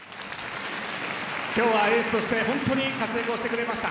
今日はエースとして本当に活躍をしてくれました。